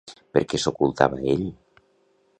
Per què s'ocultava ell?